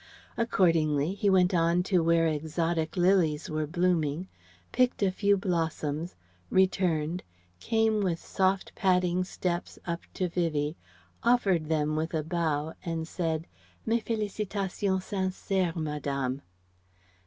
Accordingly he went on to where exotic lilies were blooming, picked a few blossoms, returned, came with soft padding steps up to Vivie, offered them with a bow and "Mes félicitations sincères, Madame."